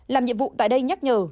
làm nhiệm vụ tại đây nhắc nhở